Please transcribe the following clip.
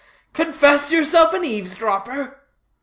"Confess yourself an eaves dropper?"